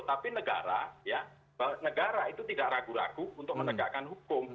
tapi negara ya negara itu tidak ragu ragu untuk menegakkan hukum